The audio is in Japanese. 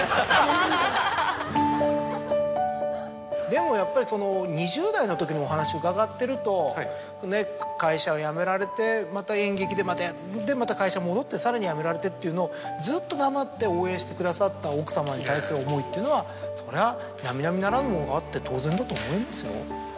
でもやっぱりその２０代のときのお話伺ってると会社を辞められてまた演劇でまたやってまた会社戻ってさらに辞められてっていうのをずっと黙って応援してくださった奥様に対する思いっていうのはそりゃ並々ならぬものがあって当然だと思いますよ。